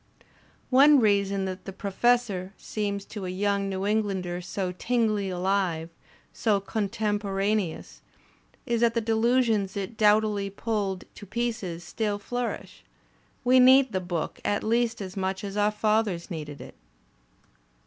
One reason that "The Professor" seems to a yoimg New Englander so tinglingly alive, so contemporaneous, is that the delusions it doughtily pulled to pieces still flourish; we need the book at least as much as our fathers needed it.